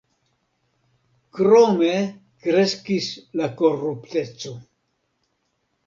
Krome kreskis la korupteco.